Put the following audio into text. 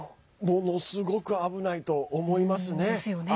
ものすごく危ないと思いますね。